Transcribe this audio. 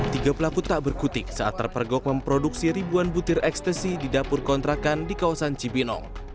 tiga pelaku tak berkutik saat terpergok memproduksi ribuan butir ekstasi di dapur kontrakan di kawasan cibinong